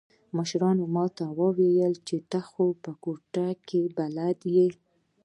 مشرانو ما ته وويل چې ته خو په کوټه کښې بلد يې.